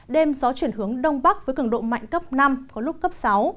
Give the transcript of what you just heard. đêm gió chuyển hướng đông bắc với cường độ mạnh cấp năm có lúc cấp sáu